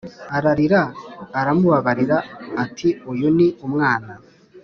ararira Aramubabarira ati Uyu ni umwana